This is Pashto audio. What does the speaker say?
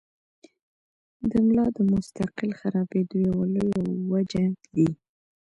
د ملا د مستقل خرابېدو يوه لويه وجه وي -